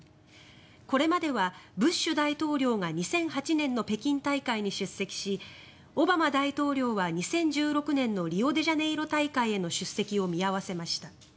これまではブッシュ大統領が２００８年の北京大会に出席しオバマ大統領は２０１６年のリオデジャネイロ大会への出席を見合わせました。